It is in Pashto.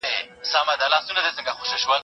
زه پرون د ښوونځی لپاره تياری کوم!